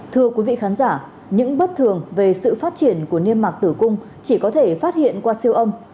thưa quý vị khán giả những bất thường về sự phát triển của niêm mạc tử cung chỉ có thể phát hiện qua siêu âm